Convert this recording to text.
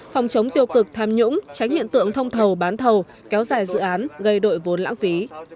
phòng chống tiêu cực tham nhũng tránh hiện tượng thông thầu bán thầu kéo dài dự án gây đội vốn lãng phí